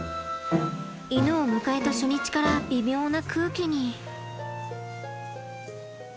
犬を迎えた初日から微妙な空気に。